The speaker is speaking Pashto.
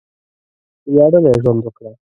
وياړلی ژوند وکړه!